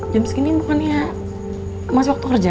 jam segini bukannya masih waktu kerja